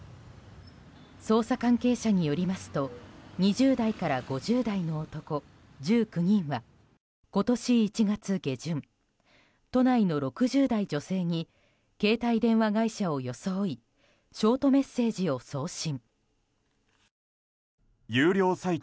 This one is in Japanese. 捜査関係者によりますと２０代から５０代の男１９人は今年１月下旬都内の６０代女性に携帯電話会社を装いショートメッセージを送信。